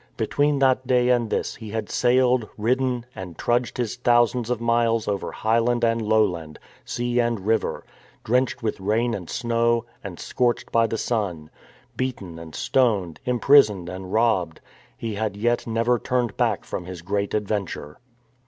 Between that day and this he had sailed, ridden, and trudged his thousands of miles over highland and lowland, sea and river, drenched with rain and snow, and scorched by the sun. Beaten and stoned, imprisoned and robbed, he had yet never turned back from his great adventure.